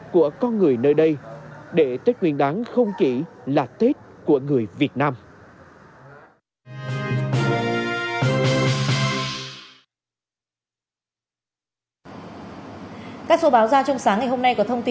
của con người nước ngoài